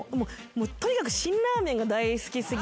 とにかく辛ラーメンが大好き過ぎて。